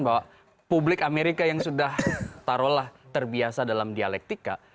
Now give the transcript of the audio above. bahwa publik amerika yang sudah taruhlah terbiasa dalam dialektika